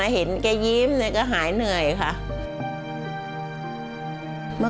ร้องได้ให้ร้าง